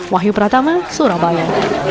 wahyu pratama surabaya